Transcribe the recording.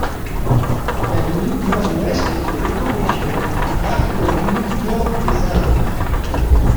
La limite nord-ouest de l'écorégion marque la limite nord des arbres.